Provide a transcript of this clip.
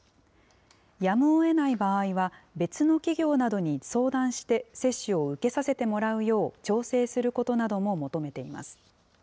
やむをえない場合は別の企業などに相談して接種を受けさせてもらうよう、調整することなども求めています。